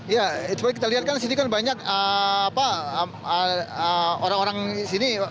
ya seperti kita lihat kan sini kan banyak orang orang sini